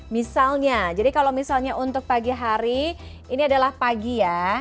misalnya jadi kalau misalnya untuk pagi hari ini adalah pagi ya